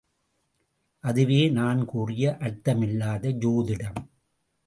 அதுவே நான் கூறிய அர்த்தமில்லாத ஜோதிடம்!